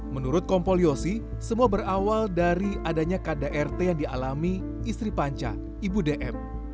menurut kompol yosi semua berawal dari adanya kdrt yang dialami istri panca ibu dm